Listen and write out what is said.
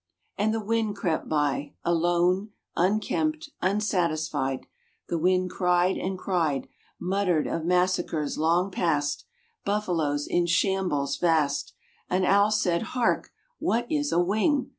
And the wind crept by Alone, unkempt, unsatisfied, The wind cried and cried Muttered of massacres long past, Buffaloes in shambles vast ... An owl said: "Hark, what is a wing?"